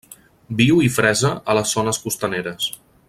Viu i fresa a les zones costaneres.